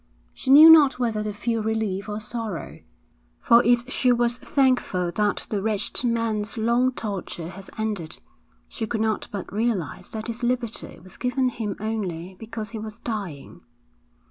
She knew not whether to feel relief or sorrow; for if she was thankful that the wretched man's long torture was ended, she could not but realise that his liberty was given him only because he was dying.